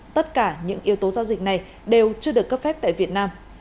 tất cả những yếu tố giao dịch này đều chưa được cấp phép tại việt nam